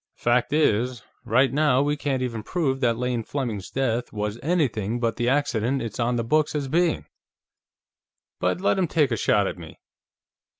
Fact is, right now we can't even prove that Lane Fleming's death was anything but the accident it's on the books as being. But let him take a shot at me...."